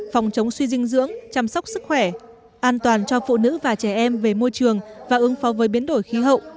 phòng chống suy dinh dưỡng chăm sóc sức khỏe an toàn cho phụ nữ và trẻ em về môi trường và ứng phó với biến đổi khí hậu